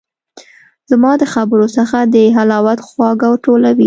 زما د خبرو څخه د حلاوت خواږه ټولوي